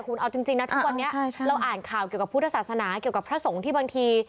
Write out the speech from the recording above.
คุณเอาจริงนะทุกวันนี้เราอ่านข่าวเกี่ยวกับพุทธศาสนาเกี่ยวกับพระสงฆ์ที่บางที